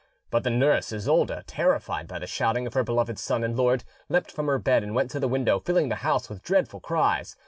But the nurse Isolda, terrified by the shouting of her beloved son and lord, leapt from her bed and went to the window, filling the house with dreadful cries.